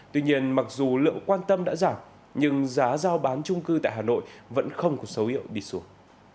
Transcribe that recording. tuy nhiên mặc dù lượng quan tâm đã giảm nhưng giá giao bán trung cư tại hà nội vẫn không có dấu hiệu đi xuống